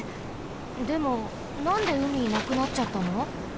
でもなんでうみなくなっちゃったの？